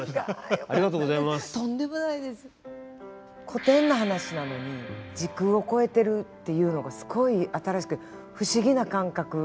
古典の話なのに時空を超えてるっていうのがすごい新しくて不思議な感覚。